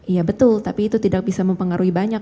iya betul tapi itu tidak bisa mempengaruhi banyak